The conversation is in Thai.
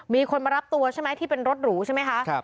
มีคนมารับตัวใช่ไหมที่เป็นรถหรูใช่ไหมคะ